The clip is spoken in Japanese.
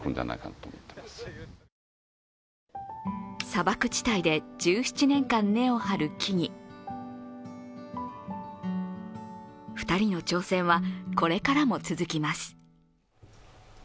砂漠地帯で１７年間、根を張る木々２人の挑戦は、これからも続きます。